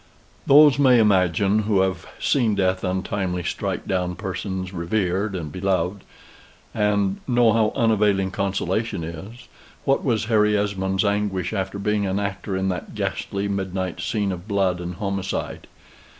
Those may imagine, who have seen death untimely strike down persons revered and beloved, and know how unavailing consolation is, what was Harry Esmond's anguish after being an actor in that ghastly midnight scene of blood and homicide.